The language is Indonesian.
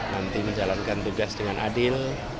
nanti menjalankan tugas dengan adil